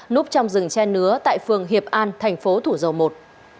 núp trong rừng che nứa tại phường hiệp an thành phố thủ dầu một